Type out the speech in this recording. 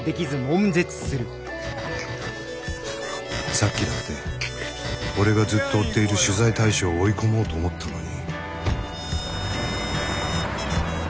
さっきだって俺がずっと追っている取材対象を追い込もうと思ったのに。